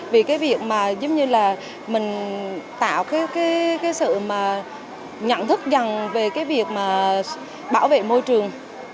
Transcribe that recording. vì cái việc mà giống như là mình tạo cái sự mà nhận thức rằng về cái việc mà bảo vệ môi trường